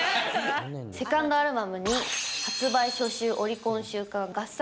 セカンドアルバム、弐、発売初週オリコン週間合算